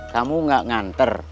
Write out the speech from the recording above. kamu gak nganter